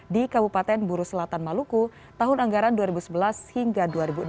di kabupaten buru selatan maluku tahun anggaran dua ribu sebelas hingga dua ribu enam belas